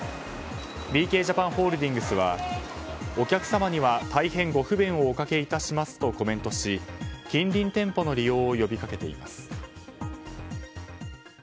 ビーケージャパンホールディングスはお客様には大変ご不便をおかけいたしますとコメントし、近隣店舗の利用を呼びかけています。